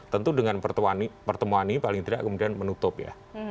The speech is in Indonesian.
tentu dengan pertemuan ini paling tidak kemudian menutup ya